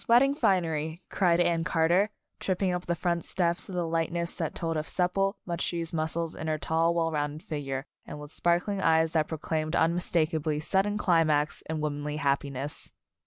Wed ding finery 1" cried Anne Carter, tripping up the front steps with a lightness that told of supple, much used muscles in her tall, well rounded figure, and with sparkling eyes that proclaimed unmistakably sudden climax in womanly happiness.